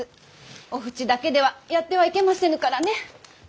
お扶持だけではやってはいけませぬからね。